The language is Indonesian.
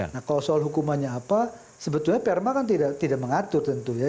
nah kalau soal hukumannya apa sebetulnya perma kan tidak mengatur tentunya